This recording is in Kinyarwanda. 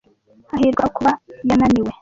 Hahirwa abo kuba yananiwe !